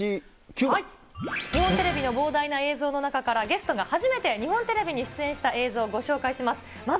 日本テレビの膨大な映像の中からゲストが初めて日本テレビに出演した映像をご紹介します。